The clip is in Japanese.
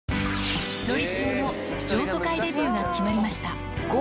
のりしおの譲渡会デビューが決まりました。